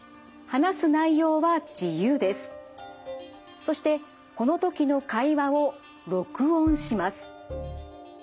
そしてこの時の会話を録音します。